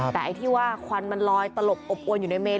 แต่ไอ้ที่ว่าควันมันลอยตลบอบอวนอยู่ในเมน